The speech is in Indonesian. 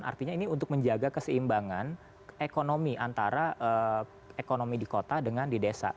artinya ini untuk menjaga keseimbangan ekonomi antara ekonomi di kota dengan di desa